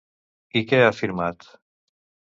I què ha firmat?